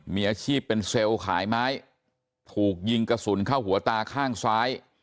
มีอาชีพเป็นเซลล์ขายไม้ถูกยิงกระสุนเข้าหัวตาข้างซ้าย